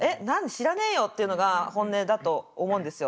知らねえよ」っていうのが本音だと思うんですよ。